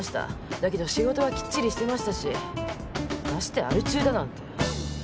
だけど仕事はきっちりしてましたしましてアル中だなんて。